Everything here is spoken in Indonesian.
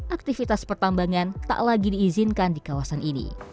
aktivitas pertambangan tak lagi diizinkan di kawasan ini